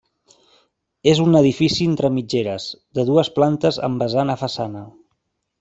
És un edifici entre mitgeres, de dues plantes amb vessant a façana.